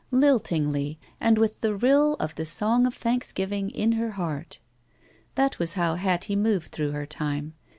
Liltingly, and with the rill of the song of thanks giving i her heart. That was how Hattie moved through her time.